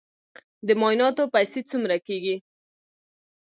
د معایناتو پیسې څومره کیږي؟